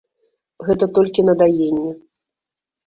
Гэта толькі на даенне.